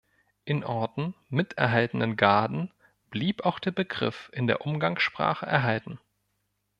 In Orten mit erhaltenen Gaden blieb auch der Begriff in der Umgangssprache erhalten.